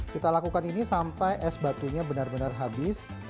kita lakukan ini sampai es batunya benar benar habis